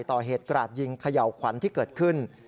ต่อเหตุกราดยิงเขย่าขวัญที่เกิดขึ้น